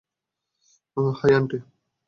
High, aunty!